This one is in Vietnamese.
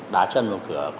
đá chân vào cửa